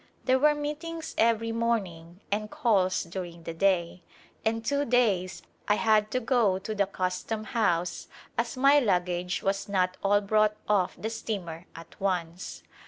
There were meetings every morning and calls during the day, and two days I had to go to the custom house as my lug gage was not all brought off the steamer at once.